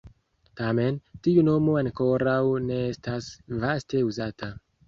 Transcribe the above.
Tamen, tiu nomo ankoraŭ ne estas vaste uzata.